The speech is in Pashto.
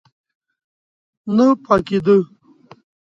نه پاکېده.